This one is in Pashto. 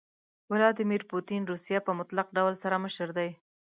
ويلاديمير پوتين روسيه په مطلق ډول سره مشر دي.